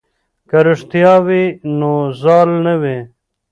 که رښتیا وي نو زال نه وي.